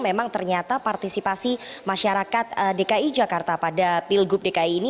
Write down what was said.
memang ternyata partisipasi masyarakat dki jakarta pada pilgub dki ini